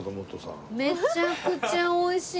めちゃくちゃ美味しい。